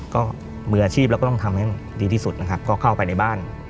ก็มืออาชีพเราก็ต้องทำให้ดีที่สุดนะครับก็เข้าไปในบ้าน